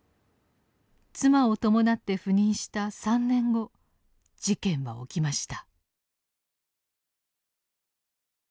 妻を伴って赴任した３年後事件は起きました。